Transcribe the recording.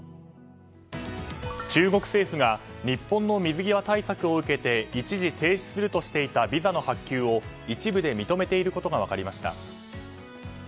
中国政府が日本の水際対策を受けて一時停止するとしていたビザの発給を一部で認めていることが分かりました。